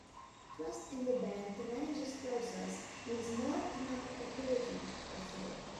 Trust in the bank to manage this process makes more economic activity possible.